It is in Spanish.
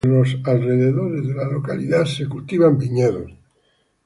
En los alrededores de la localidad se cultivan viñedos.